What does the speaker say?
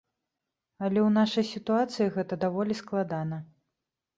Але ў нашай сітуацыі гэта даволі складана.